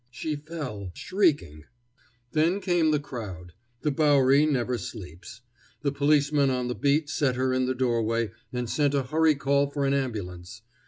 She fell shrieking. Then came the crowd. The Bowery never sleeps. The policeman on the beat set her in the doorway and sent a hurry call for an ambulance.